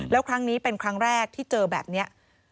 แล้วครั้งนี้เป็นครั้งแรกที่เจอแบบนี้